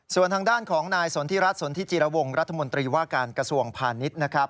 ส่วนทางด้านของนายสนทิรัฐสนทิจิรวงรัฐมนตรีว่าการกระทรวงพาณิชย์นะครับ